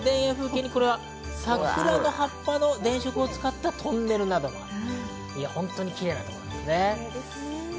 桜の葉っぱの電飾を使ったトンネルなど、本当にきれいなところです。